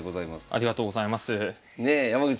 ありがとうございます。